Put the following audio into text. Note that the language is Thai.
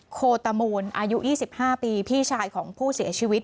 โคตมูลอายุ๒๕ปีพี่ชายของผู้เสียชีวิต